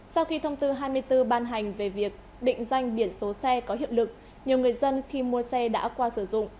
sau khi thông tư hai mươi bốn ban hành về việc định danh biển số xe có hiệu lực nhiều người dân khi mua xe đã qua sử dụng